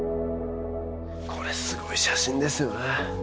これすごい写真ですよね